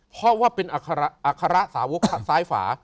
เพราะว่าเป็นอัคระสาวกซ้ายฝา